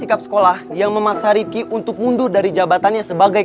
ini pembohongan namanya betul bapak